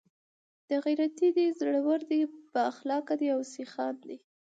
، غيرتي دي، زړور دي، بااخلاقه دي او سخيان دي